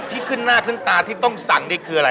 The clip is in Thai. ที่ขึ้นหน้าขึ้นตาที่ต้องสั่งนี่คืออะไร